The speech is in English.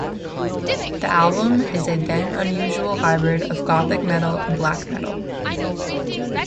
The album is a then-unusual hybrid of gothic metal and black metal.